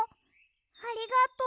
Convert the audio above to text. ありがとう。